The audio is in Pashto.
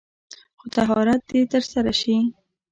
خو طهارت دې تر سره شي.